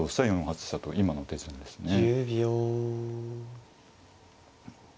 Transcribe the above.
４八飛車と今の手順ですね。